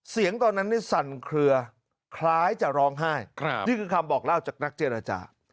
เสียงตอนนั้นสั่นเคลือคล้ายจะร้องไห้นี่คือคำบอกเล่าจากนักเจรจา